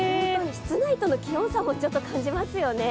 室内との気温差も感じますよね。